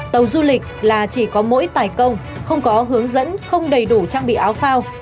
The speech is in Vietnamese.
tàu du lịch là chỉ có mỗi tài công không có hướng dẫn không đầy đủ trang bị áo phao